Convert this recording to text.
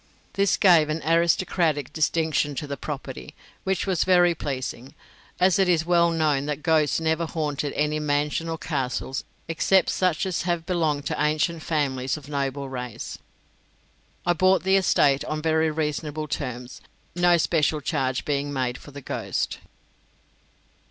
This gave an aristocratic distinction to the property, which was very pleasing, as it is well known that ghosts never haunted any mansions or castles except such as have belonged to ancient families of noble race. I bought the estate on very reasonable terms, no special charge being made for the ghost.